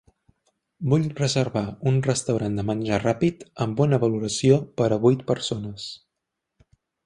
Vull reservar un restaurant de menjar ràpid amb bona valoració per a vuit persones.